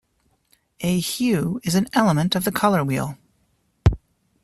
A hue is an element of the color wheel.